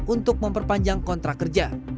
untuk memperpanjang kontrak kerja